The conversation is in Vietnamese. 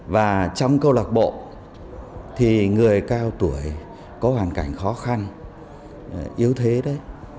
và trong cơ lộc bộ thì người cao tuổi có hoàn cảnh khó khăn yếu thế đấy